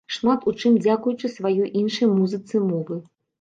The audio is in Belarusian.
Шмат у чым дзякуючы сваёй іншай музыцы мовы.